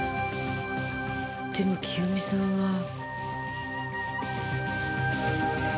でも清美さんは。